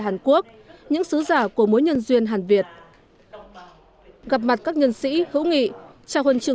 hàn quốc những sứ giả của mối nhân duyên hàn việt gặp mặt các nhân sĩ hữu nghị trang huấn trường